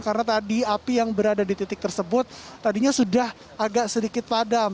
karena tadi api yang berada di titik tersebut tadinya sudah agak sedikit padam